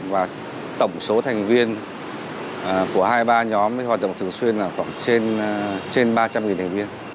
và tổng số thành viên của hai mươi ba nhóm hoạt động thường xuyên là khoảng trên ba trăm linh thành viên